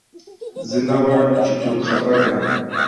زه نه غواړم، چي څوک خفه کړم.